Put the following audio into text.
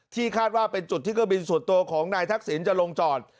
คาดว่าเป็นจุดที่เครื่องบินส่วนตัวของนายทักษิณจะลงจอด